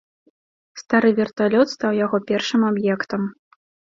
Стары верталёт стаў яго першым аб'ектам.